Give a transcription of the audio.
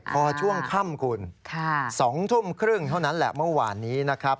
พอช่วงค่ำคุณ๒ทุ่มครึ่งเท่านั้นแหละเมื่อวานนี้นะครับ